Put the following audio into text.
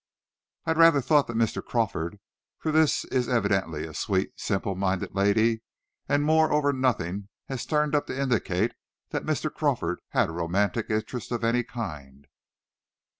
"I rather thought that, Mr. Crawford; for this is evidently a sweet, simple minded lady, and more over nothing has turned up to indicate that Mr. Crawford had a romantic interest of any kind."